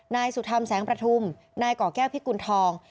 นายสุธรรมแสงประทุมนายก่อแก้วพิกุณฑอง